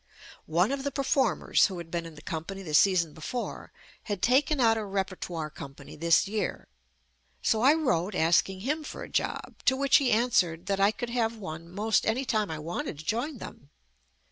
One of the performers who had been in the company the season before, had taken out a repertoire company this year, so I wrote ask ing him for a job, to which he answered that I could have one most any time I wanted to join them.